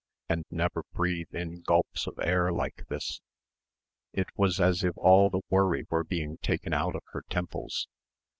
and never breathe in gulps of air like this?... It was as if all the worry were being taken out of her temples.